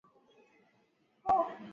na mama wa Kituruki au baba wa Kituruki